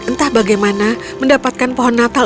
entah bagaimana mendapatkan pohon natal